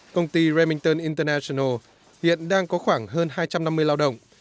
công ty reminton international hiện đang có khoảng hơn hai trăm năm mươi lao động